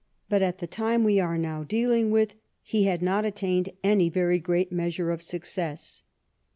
But at the time we are now dealing with he had not attained any very great measure of success.